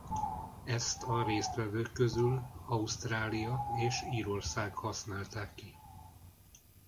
Ezt a résztvevők közül Ausztrália és Írország használták ki.